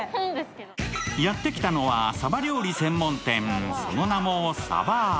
やって来たのは、さば料理専門店その名もＳＡＢＡＲ。